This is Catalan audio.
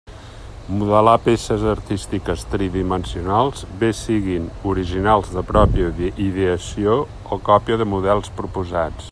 Modelar peces artístiques tridimensionals bé siguen originals de pròpia ideació o còpia de models proposats.